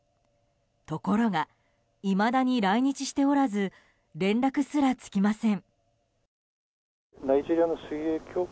ところがいまだに来日しておらず連絡すらつきません。